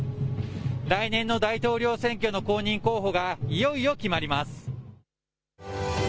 来年の大統領選挙の公認候補がいよいよ決まります。